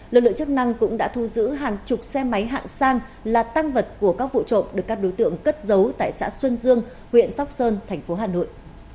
lực lượng chức năng cũng đã thu giữ hàng chục xe máy hạng sang là tăng vật của các vụ trộm được các đối tượng cất giấu tại xã xuân dương huyện sóc sơn thành phố hà nội